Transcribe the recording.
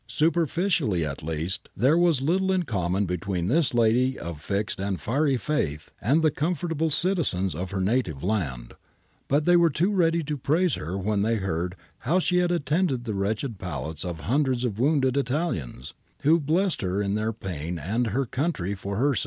Superficially at least there was little m common between this lady of fixed and fiery faith and the comfortable citizens of her native island. But thev too were ready to praise her when they heard how she attended the wretched pallets of hundreds of wounded Italians, who blessed her in their pain and her country lor her sake.